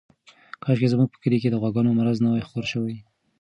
کاشکې زموږ په کلي کې د غواګانو مرض نه وای خپور شوی.